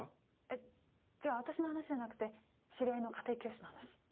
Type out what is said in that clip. えっ私の話じゃなくて知り合いの家庭教師の話。